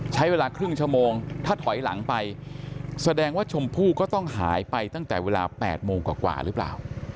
ใช้เวลาครึ่งชั่วโมงถ้าถอยหลังไปแสดงว่าชมพู่ก็ต้องหายไปตั้งแต่เวลา๘โมงกว่าหรือเปล่า